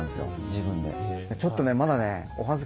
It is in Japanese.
自分で。